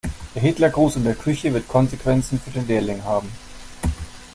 Der Hitlergruß in der Küche wird Konsequenzen für den Lehrling haben.